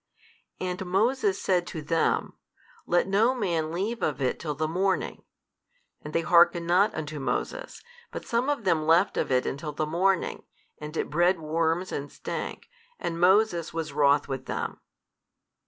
And Moses said to them, Let no man leave of it till the morning; and they hearkened not unto Moses, but some of them left of it until the morning, and it bred worms and stank, and Moses was wroth with them.